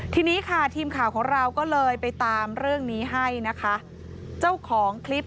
ทีนี้ค่ะทีมข่าวของเราก็เลยไปตามเรื่องนี้ให้นะคะเจ้าของคลิป